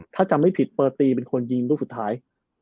ถ้าจะไม่ผิดเปิดตีเป็นคนยิงตัวสุดท้าย